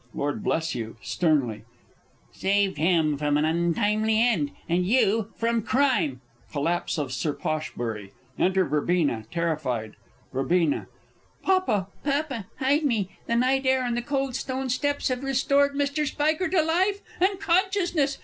Lord Blesh. (sternly). Saved him from an untimely end and you from crime! Collapse of Sir P. Enter VERBENA, terrified. Verb. Papa, Papa, hide me! The night air and the cold stone steps have restored Mr. Spiker to life and consciousness!